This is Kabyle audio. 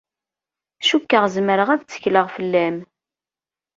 Cukkeɣ zemreɣ ad ttekleɣ fell-am.